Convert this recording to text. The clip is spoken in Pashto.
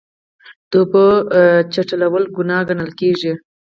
د اوبو ککړول ګناه ګڼل کیږي.